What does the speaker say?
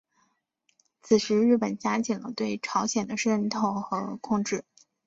此时日本加紧了对朝鲜的渗透和控制。